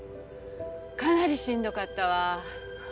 かなりしんどかったわ。